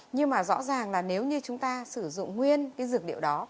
nhưng mà rõ ràng là nếu như chúng ta sử dụng nguyên cái dược liệu đó